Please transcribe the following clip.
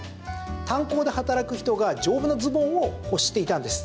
炭鉱で働く人が、丈夫なズボンを欲していたのです。